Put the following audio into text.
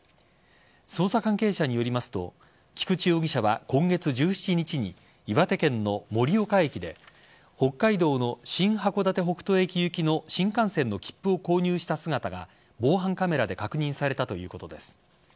捜査関係者によりますと菊池容疑者は今月１７日に岩手県の盛岡駅で北海道の新函館北斗駅行きの新幹線の切符を購入した姿が防犯カメラで確認されたということです。